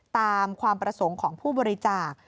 ตามความประสงค์ของผู้บริจาค